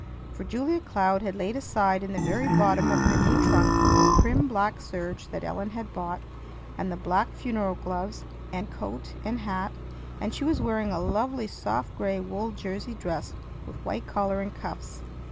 For Julia Cloud had laid aside in the very bottom of her new trunk the prim black serge that Ellen had bought, and the black funeral gloves and coat and hat; and she was wearing a lovely soft gray wool jersey dress with white collar and cuffs.